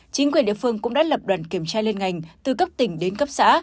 chính quyền địa phương cũng đã lập đoàn kiểm tra liên ngành từ cấp tỉnh đến cấp xã